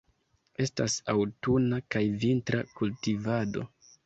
Estas aŭtuna kaj vintra kultivado.